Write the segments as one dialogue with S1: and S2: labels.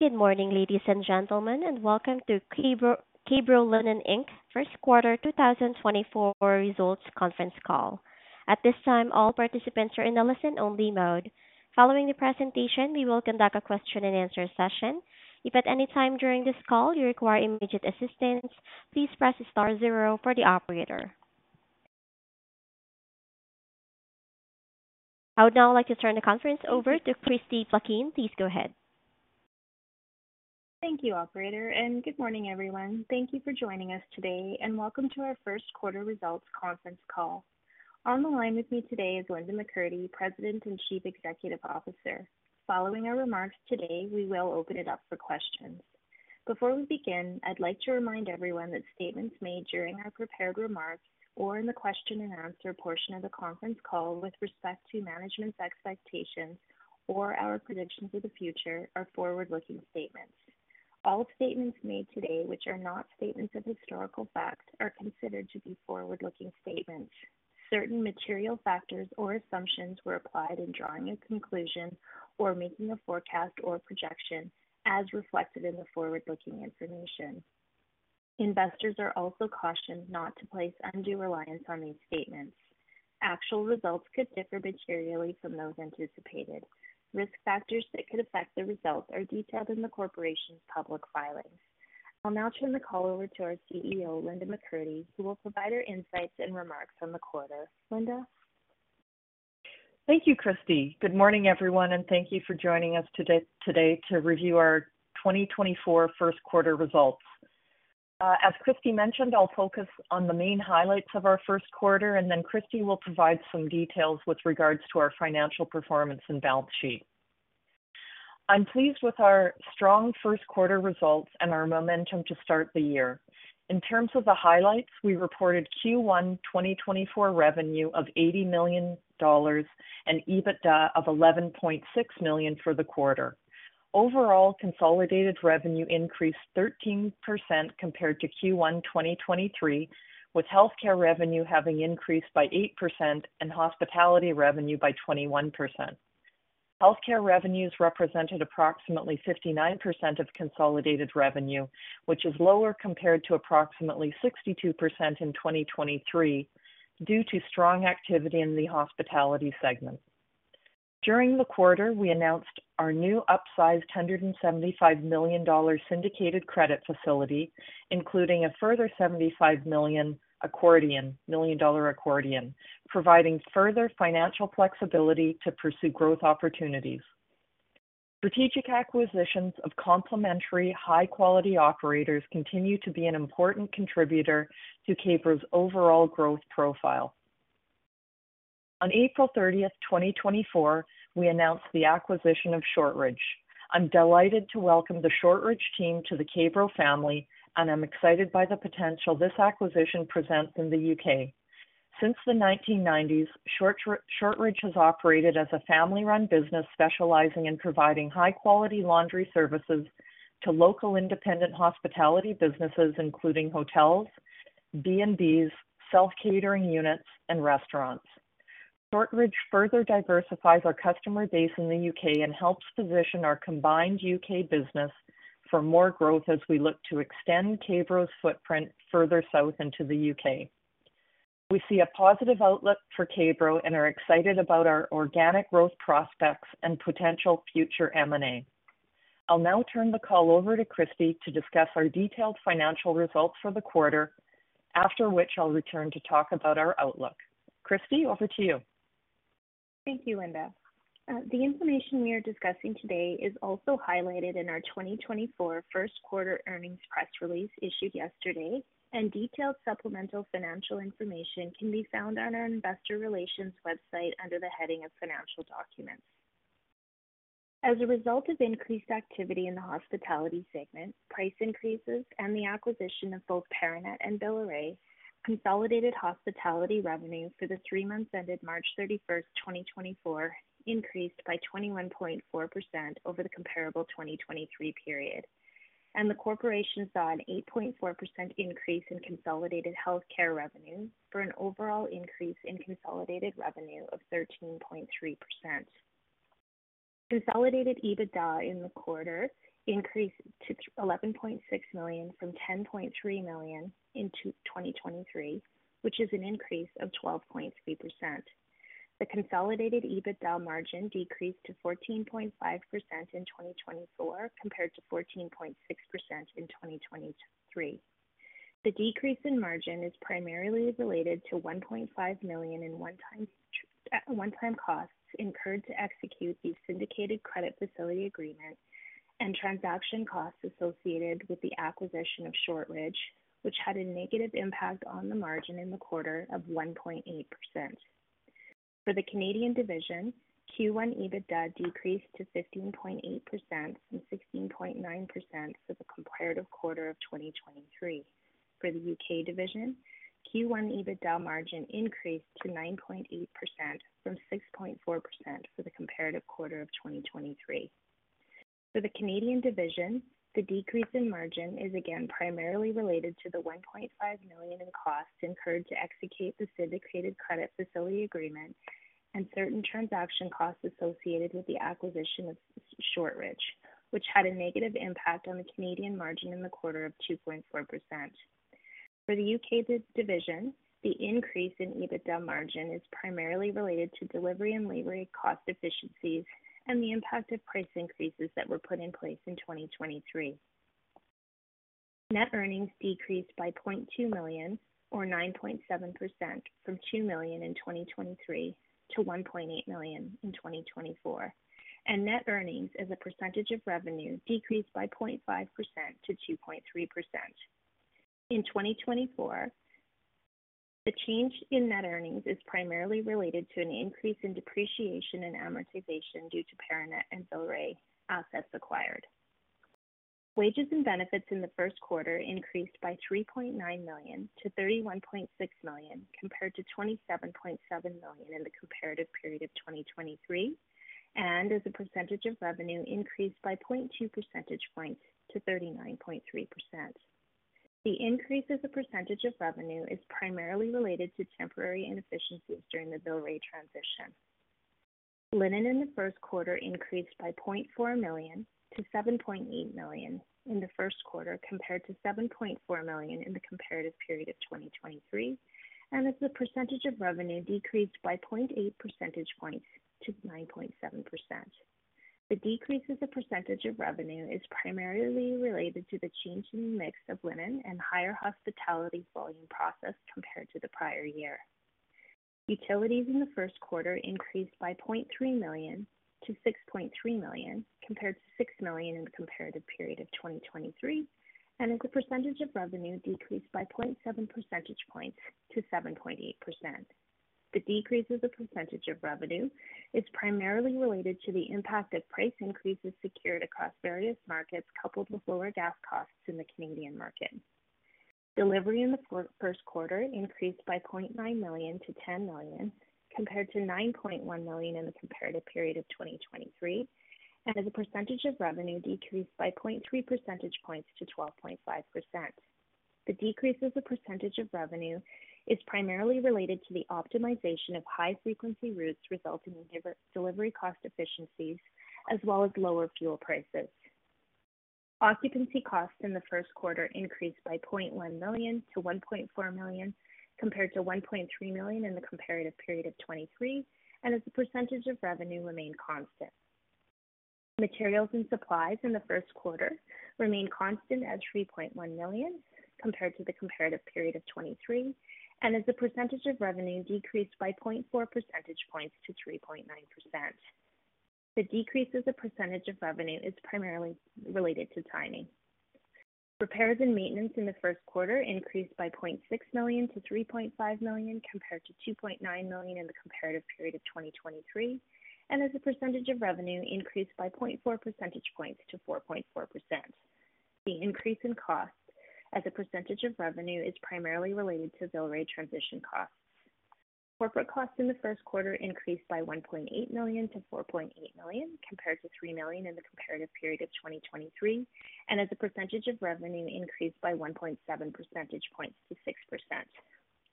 S1: Good morning, ladies and gentlemen, and welcome to K-Bro Linen, Inc. First Quarter 2024 Results Conference Call. At this time, all participants are in a listen-only mode. Following the presentation, we will conduct a question-and-answer session. If at any time during this call you require immediate assistance, please press star 0 for the operator. I would now like to turn the conference over to Kristie Plaquin. Please go ahead.
S2: Thank you, Operator, and good morning, everyone. Thank you for joining us today, and welcome to our first quarter results conference call. On the line with me today is Linda McCurdy, President and Chief Executive Officer. Following our remarks today, we will open it up for questions. Before we begin, I'd like to remind everyone that statements made during our prepared remarks or in the question-and-answer portion of the conference call with respect to management's expectations or our predictions of the future are forward-looking statements. All statements made today which are not statements of historical fact are considered to be forward-looking statements. Certain material factors or assumptions were applied in drawing a conclusion or making a forecast or projection as reflected in the forward-looking information. Investors are also cautioned not to place undue reliance on these statements. Actual results could differ materially from those anticipated. Risk factors that could affect the results are detailed in the corporation's public filings. I'll now turn the call over to our CEO, Linda McCurdy, who will provide her insights and remarks on the quarter. Linda?
S3: Thank you, Kristie. Good morning, everyone, and thank you for joining us today to review our 2024 1st Quarter Results. As Kristie mentioned, I'll focus on the main highlights of our 1st Quarter, and then Kristie will provide some details with regards to our financial performance and balance sheet. I'm pleased with our strong 1st Quarter Results and our momentum to start the year. In terms of the highlights, we reported Q1 2024 revenue of 80 million dollars and EBITDA of 11.6 million for the quarter. Overall, consolidated revenue increased 13% compared to Q1 2023, with healthcare revenue having increased by 8% and hospitality revenue by 21%. Healthcare revenues represented approximately 59% of consolidated revenue, which is lower compared to approximately 62% in 2023 due to strong activity in the hospitality segment. During the quarter, we announced our new upsized 175 million dollar syndicated credit facility, including a further 75 million accordion, providing further financial flexibility to pursue growth opportunities. Strategic acquisitions of complementary high-quality operators continue to be an important contributor to K-Bro's overall growth profile. On April 30th, 2024, we announced the acquisition of Shortridge. I'm delighted to welcome the Shortridge team to the K-Bro family, and I'm excited by the potential this acquisition presents in the U.K. Since the 1990s, Shortridge has operated as a family-run business specializing in providing high-quality laundry services to local independent hospitality businesses, including hotels, B&Bs, self-catering units, and restaurants. Shortridge further diversifies our customer base in the U.K. and helps position our combined U.K. business for more growth as we look to extend K-Bro's footprint further south into the U.K. We see a positive outlook for K-Bro and are excited about our organic growth prospects and potential future M&A. I'll now turn the call over to Kristie to discuss our detailed financial results for the quarter, after which I'll return to talk about our outlook. Kristie, over to you.
S2: Thank you, Linda. The information we are discussing today is also highlighted in our 2024 first quarter earnings press release issued yesterday, and detailed supplemental financial information can be found on our Investor Relations website under the heading of Financial Documents. As a result of increased activity in the hospitality segment, price increases, and the acquisition of both Paranet and Buanderie Villeray, consolidated hospitality revenue for the three months ended March 31st, 2024, increased by 21.4% over the comparable 2023 period. The corporation saw an 8.4% increase in consolidated healthcare revenue for an overall increase in consolidated revenue of 13.3%. Consolidated EBITDA in the quarter increased to 11.6 million from 10.3 million in 2023, which is an increase of 12.3%. The consolidated EBITDA margin decreased to 14.5% in 2024 compared to 14.6% in 2023. The decrease in margin is primarily related to 1.5 million in one-time costs incurred to execute the syndicated credit facility agreement and transaction costs associated with the acquisition of Shortridge, which had a negative impact on the margin in the quarter of 1.8%. For the Canadian division, Q1 EBITDA decreased to 15.8% from 16.9% for the comparative quarter of 2023. For the UK division, Q1 EBITDA margin increased to 9.8% from 6.4% for the comparative quarter of 2023. For the Canadian division, the decrease in margin is again primarily related to the 1.5 million in costs incurred to execute the syndicated credit facility agreement and certain transaction costs associated with the acquisition of Shortridge, which had a negative impact on the Canadian margin in the quarter of 2.4%. For the UK division, the increase in EBITDA margin is primarily related to delivery and labor cost efficiencies and the impact of price increases that were put in place in 2023. Net earnings decreased by 0.2 million, or 9.7%, from 2 million in 2023 to 1.8 million in 2024, and net earnings as a percentage of revenue decreased by 0.5%-2.3%. In 2024, the change in net earnings is primarily related to an increase in depreciation and amortization due to Paranet and Buanderie Villeray assets acquired. Wages and benefits in the 1st Quarter increased by 3.9 million-31.6 million compared to 27.7 million in the comparative period of 2023, and as a percentage of revenue increased by 0.2 percentage points to 39.3%. The increase as a percentage of revenue is primarily related to temporary inefficiencies during the Buanderie Villeray transition. Linen in the 1st Quarter increased by 0.4 million-7.8 million in the 1st Quarter compared to 7.4 million in the comparative period of 2023, and as the percentage of revenue decreased by 0.8 percentage points to 9.7%. The decrease as a percentage of revenue is primarily related to the change in the mix of linen and higher hospitality volume process compared to the prior year. Utilities in the 1st Quarter increased by 0.3 million-6.3 million compared to 6 million in the comparative period of 2023, and as a percentage of revenue decreased by 0.7 percentage points to 7.8%. The decrease as a percentage of revenue is primarily related to the impact of price increases secured across various markets coupled with lower gas costs in the Canadian market. Delivery in the 1st Quarter increased by 0.9 million-10 million compared to 9.1 million in the comparative period of 2023, and as a percentage of revenue decreased by 0.3 percentage points to 12.5%. The decrease as a percentage of revenue is primarily related to the optimization of high-frequency routes resulting in delivery cost efficiencies as well as lower fuel prices. Occupancy costs in the 1st Quarter increased by 0.1 million- 1.4 million compared to 1.3 million in the comparative period of 2023, and as the percentage of revenue remained constant. Materials and supplies in the 1st Quarter remained constant at 3.1 million compared to the comparative period of 2023, and as the percentage of revenue decreased by 0.4 percentage points to 3.9%. The decrease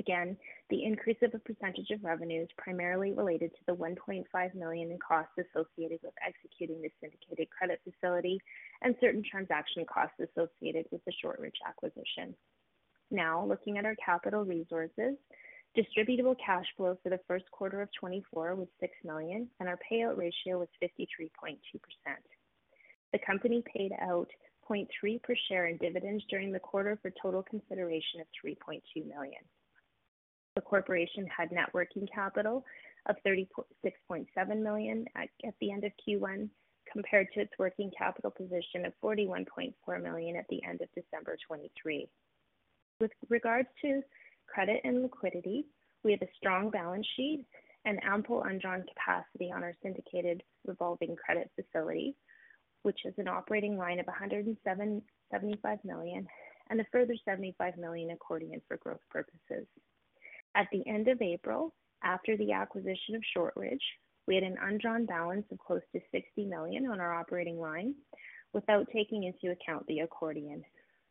S2: Again, the increase of the percentage of revenue is primarily related to the 1.5 million in costs associated with executing the syndicated credit facility and certain transaction costs associated with the Shortridge acquisition. Now, looking at our capital resources, distributable cash flow for the 1st Quarter of 2024 was 6 million, and our payout ratio was 53.2%. The company paid out 0.3 per share in dividends during the quarter for total consideration of 3.2 million. The corporation had net working capital of 36.7 million at the end of Q1 compared to its working capital position of 41.4 million at the end of December 2023. With regards to credit and liquidity, we have a strong balance sheet and ample undrawn capacity on our syndicated revolving credit facility, which has an operating line of 175 million and a further 75 million accordion for growth purposes. At the end of April, after the acquisition of Shortridge, we had an undrawn balance of close to 60 million on our operating line without taking into account the accordion,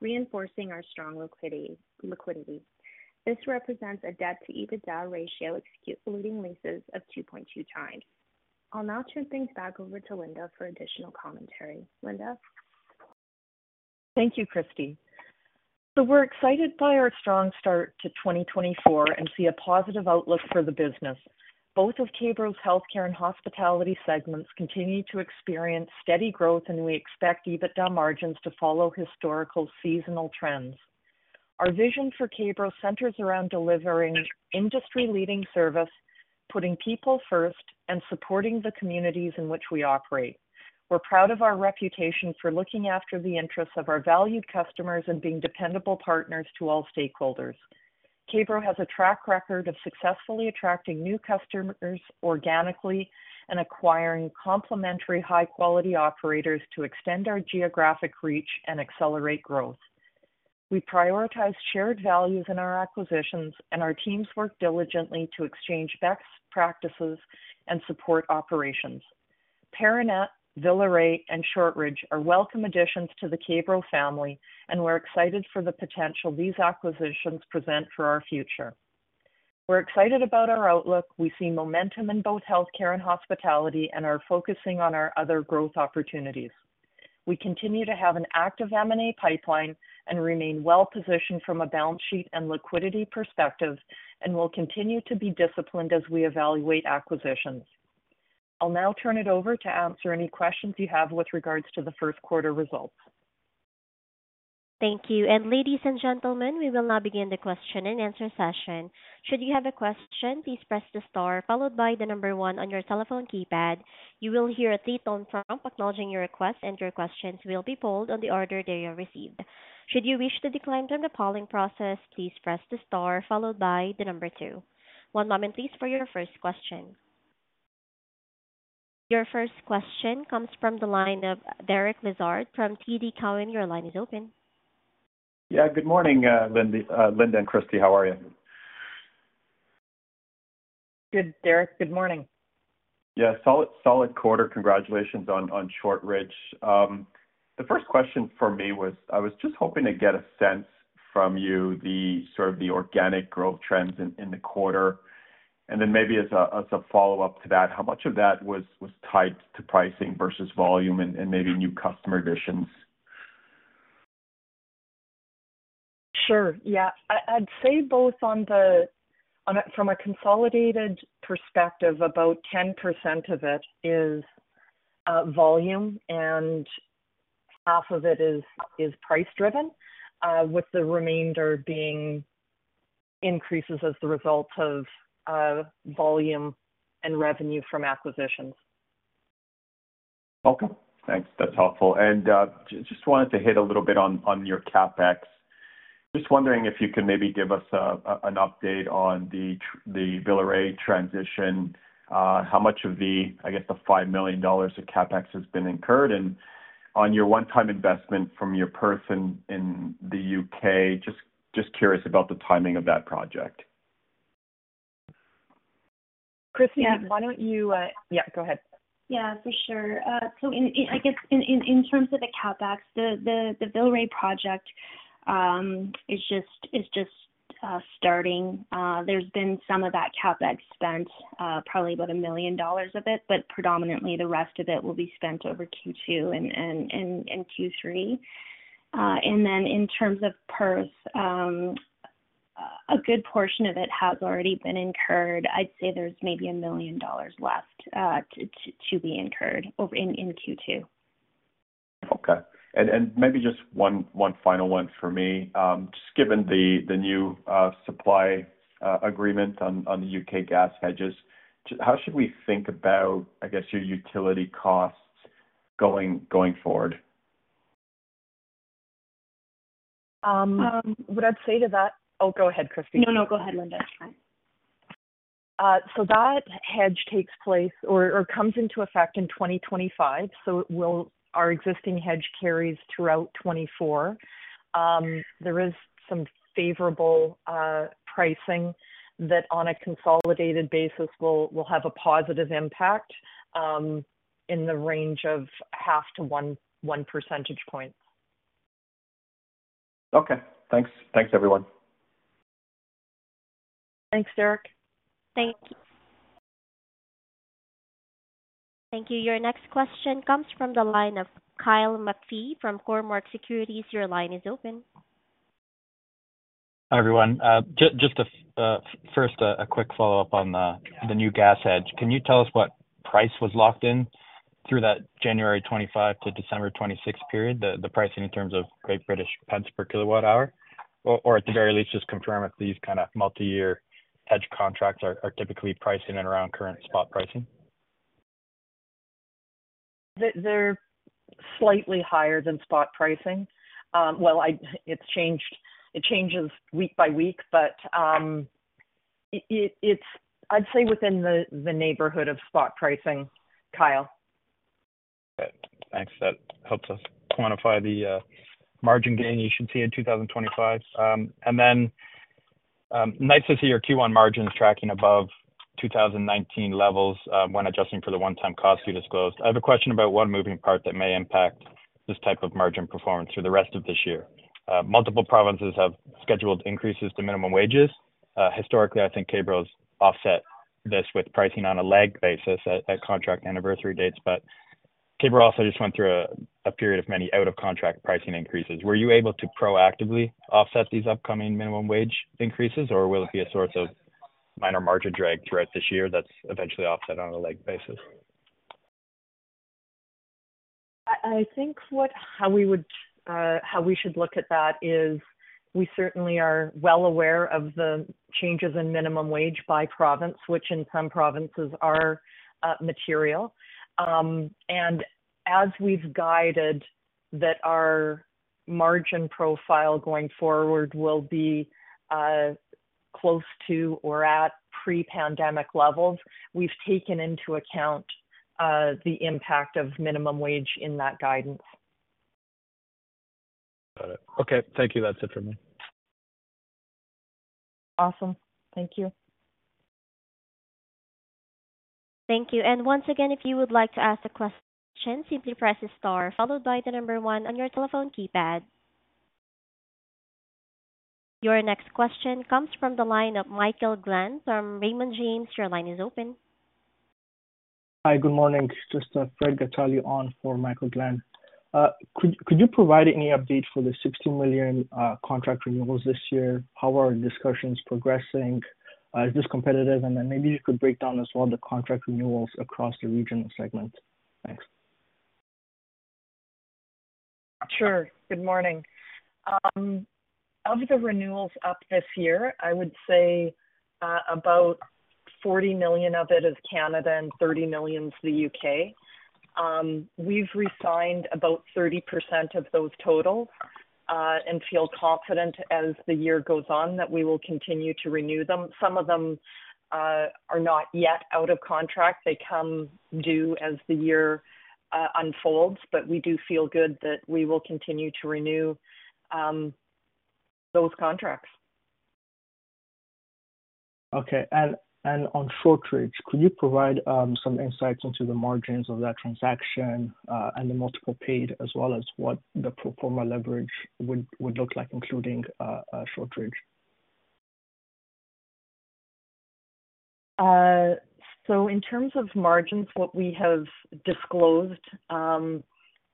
S2: reinforcing our strong liquidity. This represents a debt-to-EBITDA ratio excluding leases of 2.2x. I'll now turn things back over to Linda for additional commentary. Linda?
S3: Thank you, Kristie. So we're excited by our strong start to 2024 and see a positive outlook for the business. Both of K-Bro's healthcare and hospitality segments continue to experience steady growth, and we expect EBITDA margins to follow historical seasonal trends. Our vision for K-Bro centers around delivering industry-leading service, putting people first, and supporting the communities in which we operate. We're proud of our reputation for looking after the interests of our valued customers and being dependable partners to all stakeholders. K-Bro has a track record of successfully attracting new customers organically and acquiring complementary high-quality operators to extend our geographic reach and accelerate growth. We prioritize shared values in our acquisitions, and our teams work diligently to exchange best practices and support operations. Paranet, Buanderie Villeray, and Shortridge are welcome additions to the K-Bro family, and we're excited for the potential these acquisitions present for our future. We're excited about our outlook. We see momentum in both healthcare and hospitality, and are focusing on our other growth opportunities. We continue to have an active M&A pipeline and remain well-positioned from a balance sheet and liquidity perspective, and we'll continue to be disciplined as we evaluate acquisitions. I'll now turn it over to answer any questions you have with regards to the first quarter results.
S1: Thank you. Ladies and gentlemen, we will now begin the question-and-answer session. Should you have a question, please press the star followed by the number 1 on your telephone keypad. You will hear a three-tone prompt acknowledging your request, and your questions will be polled in the order they are received. Should you wish to decline from the polling process, please press the star followed by the number two. One moment, please, for your first question. Your first question comes from the line of Derek Lessard from TD Cowen. Your line is open.
S4: Yeah, good morning, Linda and Kristie. How are you?
S3: Good, Derek. Good morning.
S4: Yeah, solid quarter. Congratulations on Shortridge. The first question for me was I was just hoping to get a sense from you of the organic growth trends in the quarter. And then maybe as a follow-up to that, how much of that was tied to pricing versus volume and maybe new customer additions?
S3: Sure. Yeah. I'd say both from a consolidated perspective, about 10% of it is volume, and half of it is price-driven, with the remainder being increases as the result of volume and revenue from acquisitions.
S4: Okay. Thanks. That's helpful. And just wanted to hit a little bit on your CapEx. Just wondering if you could maybe give us an update on the Buanderie Villeray transition, how much of the, I guess, the 5 million dollars of CapEx has been incurred, and on your one-time investment from your Perth in the U.K. Just curious about the timing of that project.
S3: Kristie, why don't you, yeah, go ahead.
S2: Yeah, for sure. So I guess in terms of the CapEx, the Buanderie Villeray project is just starting. There's been some of that CapEx spent, probably about 1 million dollars of it, but predominantly, the rest of it will be spent over Q2 and Q3. And then in terms of Perth, a good portion of it has already been incurred. I'd say there's maybe 1 million dollars left to be incurred in Q2.
S4: Okay. And maybe just one final one for me. Just given the new supply agreement on the UK gas hedges, how should we think about, I guess, your utility costs going forward?
S3: What I'd say to that? Oh, go ahead, Kristie.
S2: No, no. Go ahead, Linda. It's fine.
S3: So that hedge takes place or comes into effect in 2025, so our existing hedge carries throughout 2024. There is some favorable pricing that, on a consolidated basis, will have a positive impact in the range of 0.5-1 percentage point.
S4: Okay. Thanks. Thanks, everyone.
S3: Thanks, Derek.
S1: Thank you. Thank you. Your next question comes from the line of Kyle McPhee from Cormark Securities. Your line is open.
S5: Hi, everyone. Just first, a quick follow-up on the new gas hedge. Can you tell us what price was locked in through that January 2025 to December 2026 period, the pricing in terms of Great British pence per KWh, or at the very least, just confirm if these kind of multi-year hedge contracts are typically pricing in around current spot pricing?
S3: They're slightly higher than spot pricing. Well, it changes week by week, but I'd say within the neighborhood of spot pricing, Kyle.
S5: Okay. Thanks. That helps us quantify the margin gain you should see in 2025. Then nice to see your Q1 margins tracking above 2019 levels when adjusting for the one-time cost you disclosed. I have a question about one moving part that may impact this type of margin performance through the rest of this year. Multiple provinces have scheduled increases to minimum wages. Historically, I think K-Bro's offset this with pricing on a lag basis at contract anniversary dates. But K-Bro also just went through a period of many out-of-contract pricing increases. Were you able to proactively offset these upcoming minimum wage increases, or will it be a source of minor margin drag throughout this year that's eventually offset on a lag basis? I think how we should look at that is we certainly are well aware of the changes in minimum wage by province, which in some provinces are material. As we've guided that our margin profile going forward will be close to or at pre-pandemic levels, we've taken into account the impact of minimum wage in that guidance. Got it. Okay. Thank you. That's it from me.
S3: Awesome. Thank you.
S1: Thank you. Once again, if you would like to ask a question, simply press the star followed by the number 1 on your telephone keypad. Your next question comes from the line of Michael Glen from Raymond James. Your line is open.
S6: Hi. Good morning. Just Fred Gatali on for Michael Glen. Could you provide any update for the 60 million contract renewals this year? How are discussions progressing? Is this competitive? And then maybe you could break down as well the contract renewals across the regional segment. Thanks.
S3: Sure. Good morning. Of the renewals up this year, I would say about 40 million of it is Canada and 30 million's the U.K. We've re-signed about 30% of those totals and feel confident as the year goes on that we will continue to renew them. Some of them are not yet out of contract. They come due as the year unfolds. But we do feel good that we will continue to renew those contracts.
S6: Okay. On Shortridge, could you provide some insights into the margins of that transaction and the multiple paid as well as what the pro forma leverage would look like, including Shortridge?
S3: In terms of margins, what we have disclosed -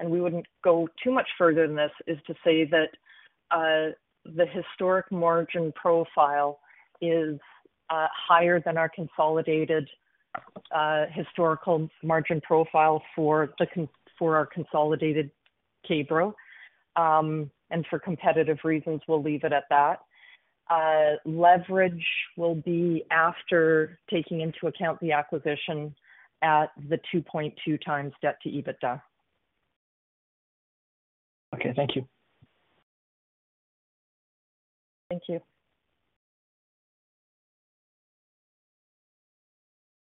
S3: and we wouldn't go too much further than this - is to say that the historic margin profile is higher than our consolidated historical margin profile for our consolidated K-Bro. For competitive reasons, we'll leave it at that. Leverage will be after taking into account the acquisition at the 2.2x debt-to-EBITDA.
S6: Okay. Thank you.
S3: Thank you.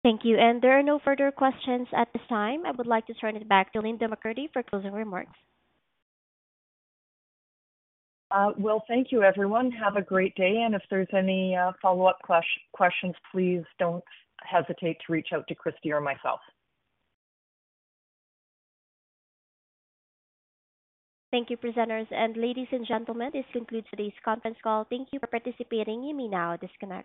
S1: Thank you. There are no further questions at this time. I would like to turn it back to Linda McCurdy for closing remarks.
S3: Well, thank you, everyone. Have a great day. If there's any follow-up questions, please don't hesitate to reach out to Kristie or myself.
S1: Thank you, presenters. Ladies and gentlemen, this concludes today's conference call. Thank you for participating. You may now disconnect.